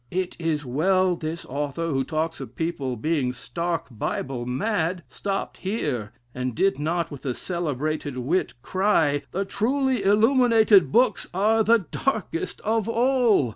It is well this author, who talks of people being stark Bible mad, stopped here; and did not with a celebrated wit * cry, 'The truly illuminated books are the darkest of all.'